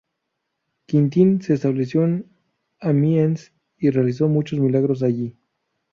Quintín se estableció en Amiens y realizó muchos milagros allí.